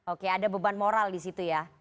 oke ada beban moral di situ ya